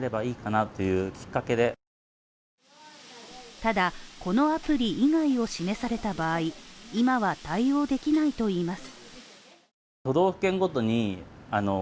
ただ、このアプリ以外を示された場合、今は対応できないといいます。